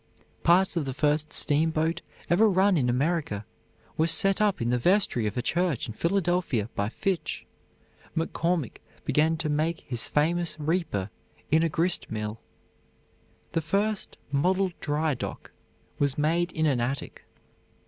Parts of the first steamboat ever run in America were set up in the vestry of a church in Philadelphia by Fitch. McCormick began to make his famous reaper in a grist mill. The first model dry dock was made in an attic.